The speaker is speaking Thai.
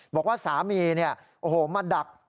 บอกว่าสามีเนี่ยโอ้โหมาดัก